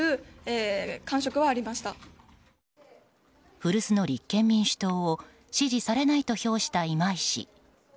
古巣の立憲民主党を支持されないと評した今井氏。